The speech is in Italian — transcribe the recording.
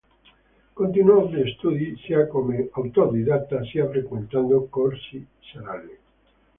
Continuò gli studi sia come autodidatta sia frequentando corsi serali.